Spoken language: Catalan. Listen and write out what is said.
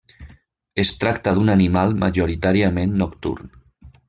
Es tracta d'un animal majoritàriament nocturn.